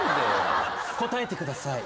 答えてください。